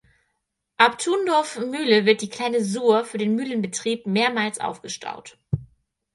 Ab Thundorf Mühle wird die Kleine Sur für den Mühlenbetrieb mehrmals aufgestaut.